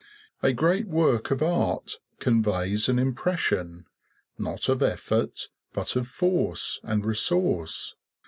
A great work of art conveys an impression, not of effort, but of force and resource.